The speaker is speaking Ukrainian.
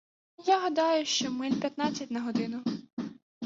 Я гадаю, що миль п'ятнадцять на годину.